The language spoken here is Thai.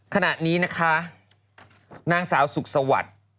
ขณะนี้นะคะ